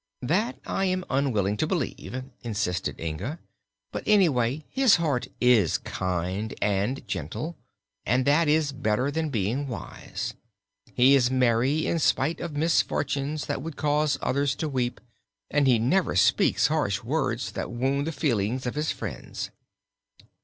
"That I am unwilling to believe," insisted Inga. "But anyway his heart is kind and gentle and that is better than being wise. He is merry in spite of misfortunes that would cause others to weep and he never speaks harsh words that wound the feelings of his friends."